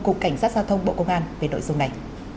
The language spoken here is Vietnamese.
cục cảnh sát giao thông bộ công an về nội dung này